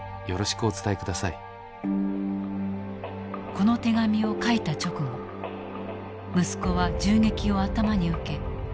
この手紙を書いた直後息子は銃撃を頭に受け亡くなった。